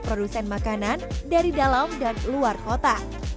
produsen makanan dari dalam dan luar kota